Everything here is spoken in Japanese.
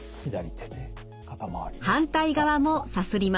反対側もさすります。